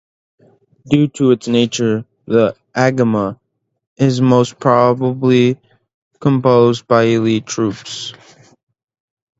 Due to its nature the "Agema" is most probably composed by elite troops.